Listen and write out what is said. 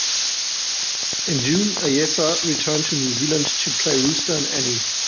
In June, Ayesa returned to New Zealand to play 'Rooster' in "Annie".